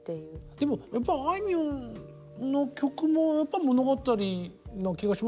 でもやっぱりあいみょんの曲もやっぱり物語な気がしますもんね。